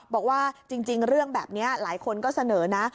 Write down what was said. บอกว่าจริงเรื่องแบบนี้หลายคนก็เสนอนะ